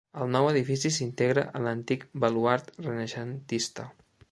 El nou edifici s'integra en l'antic baluard renaixentista.